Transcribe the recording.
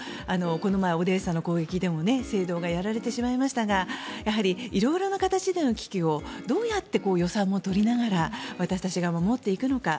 この前、オデーサの攻撃でも聖堂がやられてしまいましたが色々な形での危機をどうやって予算も取りながら私たちが守っていくのか。